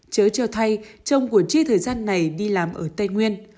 chớ cho thay chồng của chi thời gian này đi làm ở tây nguyên